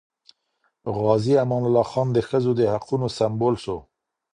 غازي امان الله خان د ښځو د حقونو سمبول سو.